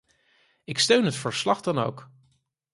Ik steun het verslag dan ook.